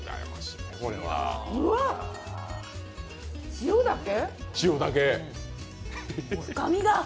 塩だけ？